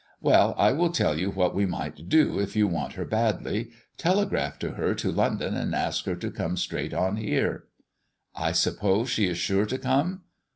"Well, I will tell you what we might do if you want her badly. Telegraph to her to London and ask her to come straight on here." "I suppose she is sure to come?"